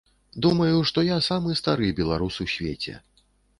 Думаю, што я самы стары беларус у свеце.